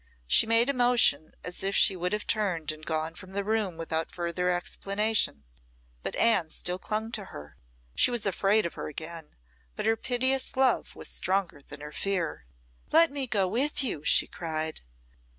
She made a motion as if she would have turned and gone from the room without further explanation, but Anne still clung to her. She was afraid of her again, but her piteous love was stronger than her fear. "Let me go with you," she cried.